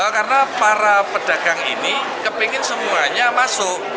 karena para pedagang ini kepingin semuanya masuk